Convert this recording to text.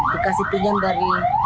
dikasih pinjam dari